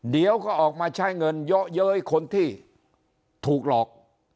เดี๋ยวก็ออกมาใช้เงินเยอะเย้ยคนที่ถูกหลอก